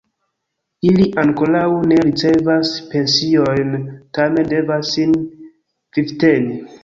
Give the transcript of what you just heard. Ili ankoraŭ ne ricevas pensiojn tamen devas sin vivteni.